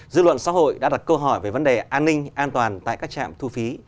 dư luận xã hội đã đặt câu hỏi về vấn đề an ninh an toàn tại các trạm thu phí